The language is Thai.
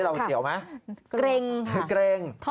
เราเสี่ยวไหมครับเกรงค่ะเกรงครับ